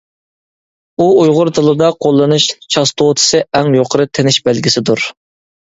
ئۇ ئۇيغۇر تىلىدا قوللىنىلىش چاستوتىسى ئەڭ يۇقىرى تىنىش بەلگىسىدۇر.